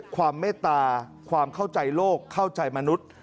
ความเมตตาความเข้าใจโลกเข้าใจมนุษย์